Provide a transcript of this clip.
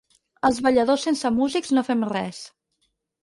Els balladors sense músics no fem res.